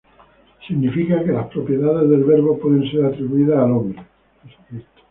Significa que las propiedades del Verbo pueden ser atribuidas al hombre Jesucristo.